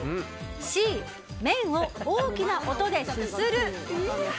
Ｃ、麺を大きな音ですする。